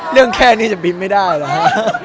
เรื่องแค่นี้จะบินไม่ได้หรอฮะ